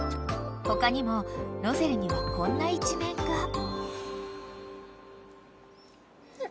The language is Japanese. ［他にもロゼルにはこんな一面が］